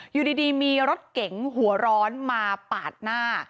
อยู่ดีมีรถเก๋งหัวร้อนมาปาดหน้า